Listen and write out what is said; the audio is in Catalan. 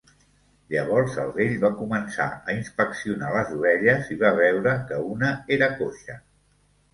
Llavors el vell va començar a inspeccionar les ovelles i va veure que una era coixa.